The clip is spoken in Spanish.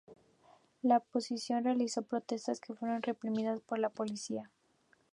La oposición realizó protestas que fueron reprimidas por la policía.